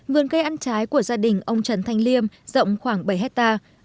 vườn cây ăn trái của gia đình ông trần thanh liêm rộng khoảng bảy hectare